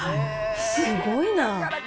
すごいなぁ。